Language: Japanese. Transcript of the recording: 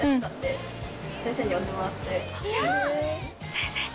先生に？